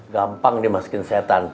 gampang dimasukin setan